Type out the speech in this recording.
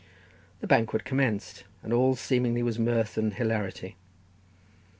The banquet commenced, and all seemingly was mirth and hilarity.